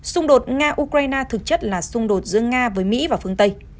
xung đột nga ukraine thực chất là xung đột giữa nga với mỹ và phương tây